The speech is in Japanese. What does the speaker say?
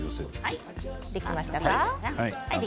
できましたか？